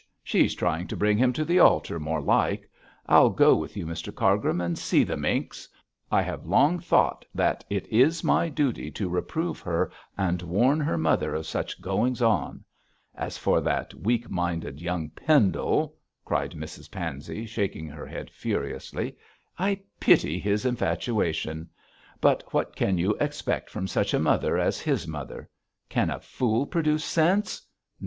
She's trying to bring him to the altar, more like. I'll go with you, Mr Cargrim, and see the minx. I have long thought that it is my duty to reprove her and warn her mother of such goings on. As for that weak minded young Pendle,' cried Mrs Pansey, shaking her head furiously, 'I pity his infatuation; but what can you expect from such a mother as his mother? Can a fool produce sense?